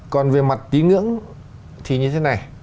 còn về mặt tín ngưỡng thì như thế này